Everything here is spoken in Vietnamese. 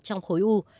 trong khối u